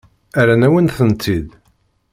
Rran-awen-tent-id.